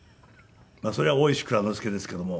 それは「大石内蔵助」ですけども。